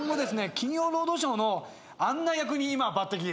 『金曜ロードショー』の案内役に今抜てき。